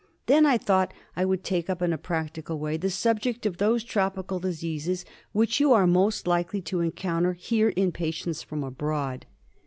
Then I thought I would take up in a practical way the subject of those tropical diseases which you are most likely to encounter here in patients from abroad.